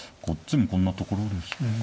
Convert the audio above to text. こっちもこんなところですか。